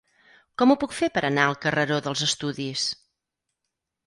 Com ho puc fer per anar al carreró dels Estudis?